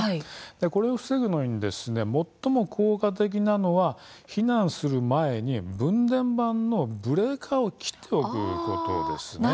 これを防ぐのに最も効果的なのは、避難する前に分電盤のブレーカーを切っておくということです。